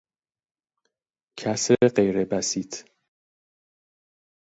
کسرغیربسیط